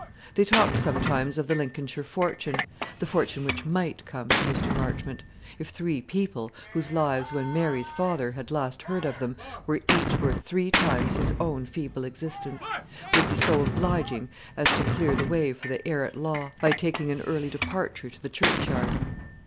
They talked sometimes of the Lincolnshire fortune, the fortune which might come to Mr. Marchmont, if three people, whose lives when Mary's father had last heard of them, were each worth three times his own feeble existence, would be so obliging as to clear the way for the heir at law, by taking an early departure to the churchyard.